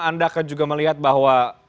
anda akan juga melihat bahwa